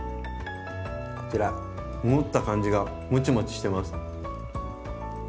こちら持った感じがモチモチしてます。